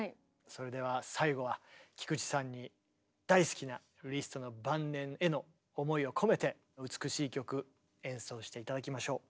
それでは最後は菊池さんに大好きなリストの晩年への思いを込めて美しい曲演奏して頂きましょう。